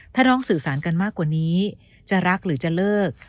ถ้าร้องสื่อสารกันมากกว่านี้จะรักหรือจะเลิก